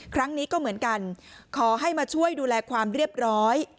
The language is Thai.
ครั้งนี้ก็เหมือนกันขอให้มาช่วยดูแลความเรียบร้อย